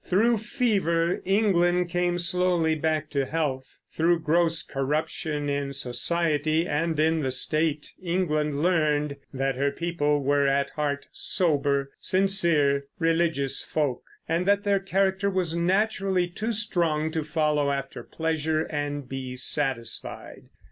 Through fever, England came slowly back to health; through gross corruption in society and in the state England learned that her people were at heart sober, sincere, religious folk, and that their character was naturally too strong to follow after pleasure and be satisfied.